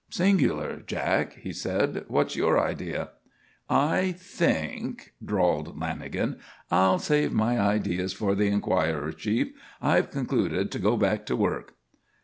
"Singular, Jack," he said. "What's your idea?" "I think," drawled Lanagan, "I'll save my ideas for the Enquirer, Chief. I've concluded to go back to work."